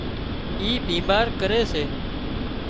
اي بيمار ڪري سي